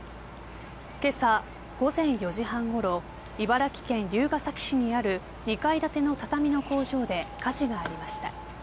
けさ午前４時半ごろ茨城県龍ケ崎市にある２階建ての畳の工場で火事がありました。